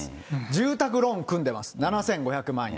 住宅ローン組んでます、７５００万円。